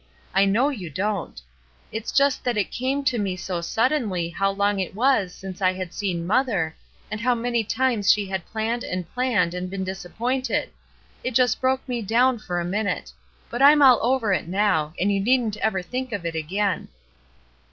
I know you don't. It was just because it came to me HOMEWARD BOUND 335 suddenly how long it was since I had seen mother, and how many times she had planned and planned and been disappointed; it just broke me down for a minute; but I'm all over it now, and you needn't ever think of it again.''